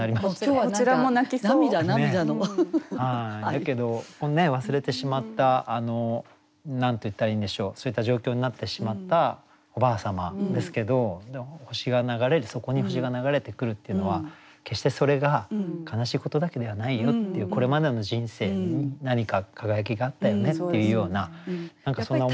だけど忘れてしまった何と言ったらいいんでしょうそういった状況になってしまったおばあ様ですけど星が流れるそこに星が流れてくるっていうのは決してそれが悲しいことだけではないよっていうこれまでの人生に何か輝きがあったよねっていうような。